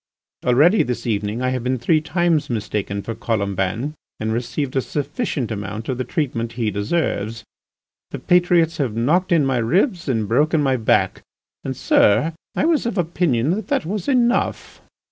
Already this evening I have been three times mistaken for Colomban and received a sufficient amount of the treatment he deserves. The patriots have knocked in my ribs and broken my back, and, sir, I was of opinion that that was enough."